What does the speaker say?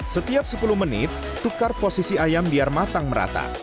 setiap sepuluh menit tukar posisi ayam biar matang merata